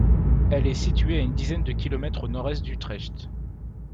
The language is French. Elle est située à une dizaine de kilomètres au nord-est d'Utrecht.